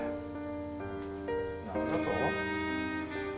何だと？